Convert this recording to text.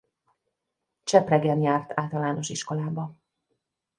Csepregen járt általános iskolába.